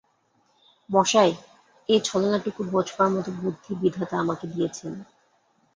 মশায়, এ ছলনাটুকু বোঝবার মতো বুদ্ধি বিধাতা আমাকে দিয়েছেন।